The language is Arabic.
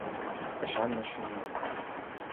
أشعلنا الشموع.